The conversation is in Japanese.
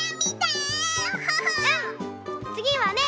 つぎはね